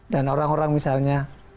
dan orang orang misalnya